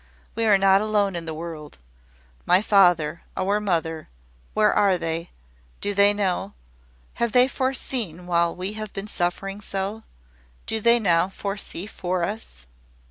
We are not alone in the world. My father, our mother, where are they? Do they know? Have they foreseen while we have been suffering so? Do they now foresee for us?"